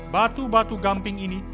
batu batu gamping ini